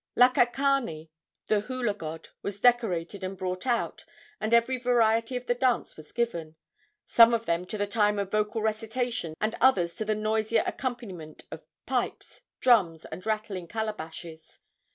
Lakakane, the hula god, was decorated and brought out, and every variety of the dance was given some of them to the time of vocal recitations and others to the noisier accompaniment of pipes, drums and rattling calabashes.